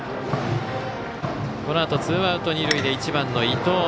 このあと、ツーアウト、二塁で１番の伊藤。